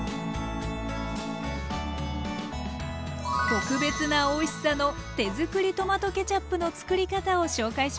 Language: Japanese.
特別なおいしさの手づくりトマトケチャップのつくり方を紹介しますよ。